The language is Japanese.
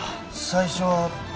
最初は。